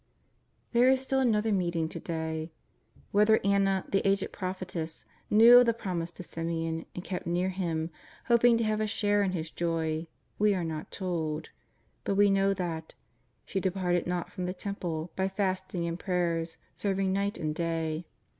'' There is still another meeting to day. Whether Anna, the aged prophetess, knew of the promise to Simeon and kept near him, hoping to have a share in his joy, we are not told, but we know that " she departed not from the Temple, by fasting and prayers serving night and day."